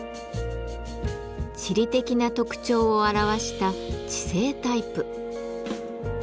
地理的な特徴を表した地勢タイプ。